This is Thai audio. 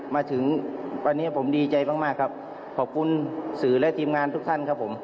มาถึงวันนี้ผมดีใจมากมากครับขอบคุณสื่อและทีมงานทุกท่านครับผม